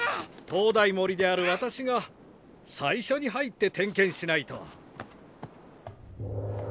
灯台守である私が最初に入って点検しないと。